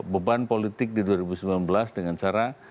beban politik di dua ribu sembilan belas dengan cara